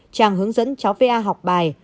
trang hướng dẫn cháu va học bài